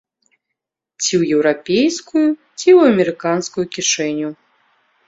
Ці ў еўрапейскую, ці ў амерыканскую кішэню.